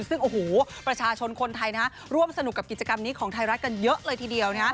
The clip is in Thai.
ซึ่งโอ้โหประชาชนคนไทยร่วมสนุกกับกิจกรรมนี้ของไทยรัฐกันเยอะเลยทีเดียว